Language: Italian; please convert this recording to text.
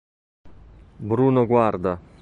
Bruno Guarda